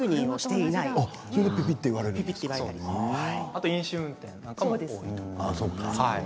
あと飲酒運転なんかもあります。